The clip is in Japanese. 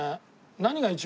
何が一番？